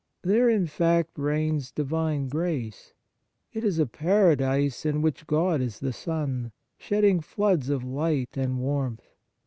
There, in fact, reigns divine grace ; it is a paradise, in which God is the sun, shedding floods of light and warmth.